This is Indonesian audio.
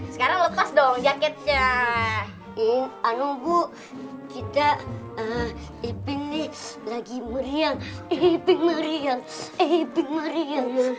sekarang lepas dong jaketnya ini anu bu kita ebing lagi meriang ebing meriang ebing meriang